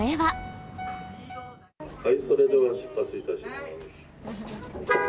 それでは出発いたします。